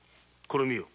これを見よ！